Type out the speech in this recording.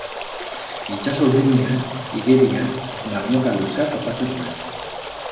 Itxaso urdinean, igerian, marmoka luzea topatu nuen